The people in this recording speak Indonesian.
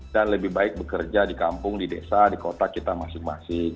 dan lebih baik bekerja di kampung di desa di kota kita masing masing